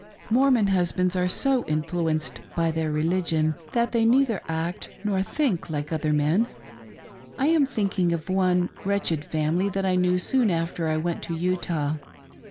Mormon husbands are so influenced by their religion that they neither act nor think like other men. I am thinking of one wretched family that I knew soon after I went to Utah.